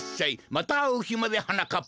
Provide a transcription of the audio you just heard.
またあうひまではなかっぱ。